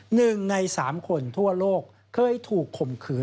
หนึ่งในสามคนทั่วโลกเคยถูกข่มขืน